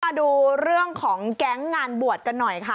มาดูเรื่องของแก๊งงานบวชกันหน่อยค่ะ